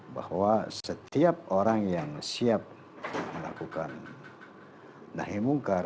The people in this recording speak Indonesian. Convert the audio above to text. bahwa setiap orang yang siap melakukan nahai mungkar